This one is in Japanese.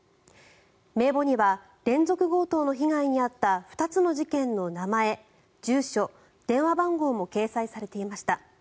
名簿には連続強盗の被害に遭った２つの事件の名前、住所電話番号も掲載されていました。